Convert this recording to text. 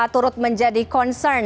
turut menjadi concern